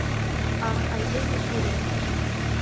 Ах, айдеме сӱрет!